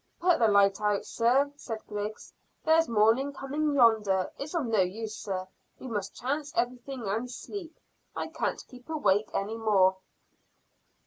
"Put the light out, sir," said Griggs. "There's morning coming yonder. It's of no use, sir. We must chance everything and sleep. I can't keep awake any more."